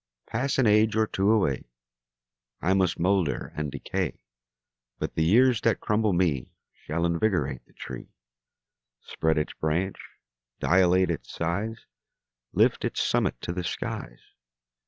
Pass an age or two away, I must moulder and decay, But the years that crumble me Shall invigorate the tree, Spread its branch, dilate its size, Lift its summit to the skies.